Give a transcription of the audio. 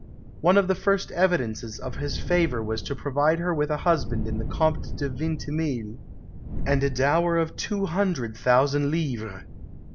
One of the first evidences of his favour was to provide her with a husband in the Comte de Vintimille, and a dower of two hundred thousand livres.